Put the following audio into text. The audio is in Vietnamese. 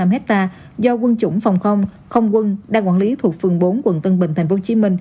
một mươi sáu năm hectare do quân chủng phòng không không quân đang quản lý thuộc phường bốn quận tân bình tp hcm